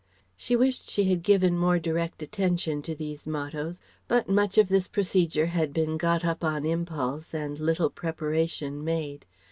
She wished she had given more direct attention to these mottoes, but much of this procedure had been got up on impulse and little preparation made.